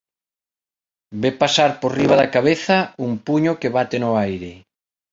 Ve pasar por riba da cabeza un puño que bate no aire.